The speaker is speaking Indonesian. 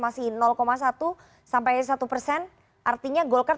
masih satu sampai satu persen artinya golkar tetap bertahan dan menangkan keputusan dari partai politik